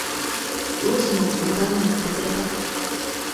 上司も相談に乗ってくれた。